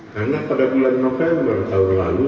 karena pada bulan november tahun lalu